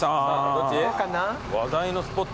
どっち？